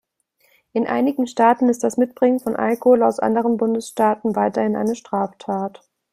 In einigen Staaten ist das Mitbringen von Alkohol aus anderen Bundesstaaten weiterhin eine Straftat.